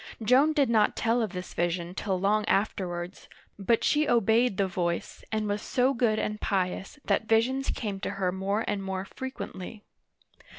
Joan did not tell of this vision till long afterwards, but she obeyed the voice, and was so good and pious that visions came to her more and more frequently.